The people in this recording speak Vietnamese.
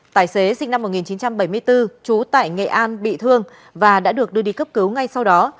tài xế sinh năm một nghìn chín trăm bảy mươi bốn trú tại nghệ an bị thương và đã được đưa đi cấp cứu ngay sau đó